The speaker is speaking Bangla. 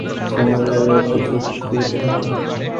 পরে যখন অকৃতকার্য হয়, তখন ঐ সম্প্রদায়ের লোকদের চক্ষু খুলিতে থাকে।